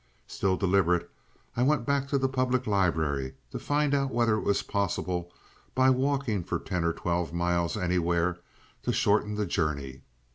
Still deliberate, I went back to the Public Library to find out whether it was possible, by walking for ten or twelve miles anywhere, to shorten the journey.